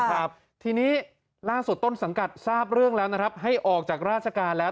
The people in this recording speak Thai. ครับทีนี้ล่าสุดต้นสังกัดทราบเรื่องแล้วนะครับให้ออกจากราชการแล้ว